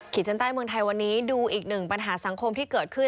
ชั้นใต้เมืองไทยวันนี้ดูอีกหนึ่งปัญหาสังคมที่เกิดขึ้น